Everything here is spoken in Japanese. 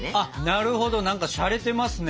なるほど何かしゃれてますね